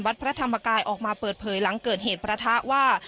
พระธรรมกายออกมาเปิดเผยหลังเกิดเหตุประทะว่า